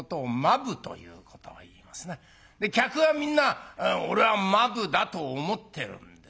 客はみんな「俺は間夫だ」と思ってるんです。